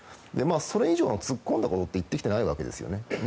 それ以上、突っ込んだことは言ってきてないわけですよね。